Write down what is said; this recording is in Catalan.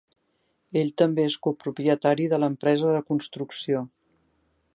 Ell també és copropietari de l'empresa de construcció.